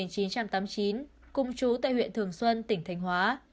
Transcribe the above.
cùng chú tại huyện thường xuân tỉnh thành hóa